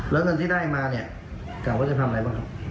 แล้วเงินที่ได้มาเนี่ยกล่าวว่าจะทำอะไรบ้างครับ